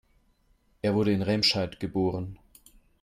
Er wurde in Remscheid geboren